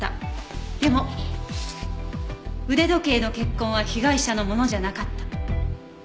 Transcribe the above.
でも腕時計の血痕は被害者のものじゃなかった。